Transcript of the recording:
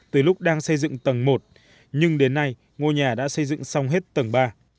từ lúc đang xây dựng tầng một nhưng đến nay ngôi nhà đã xây dựng xong hết tầng ba